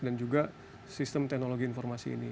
dan juga sistem teknologi informasi ini